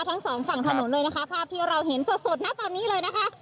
ทั้งสองฝั่งถนนเลยนะคะภาพที่เราเห็นสดสดนะตอนนี้เลยนะคะ